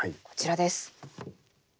こちらです。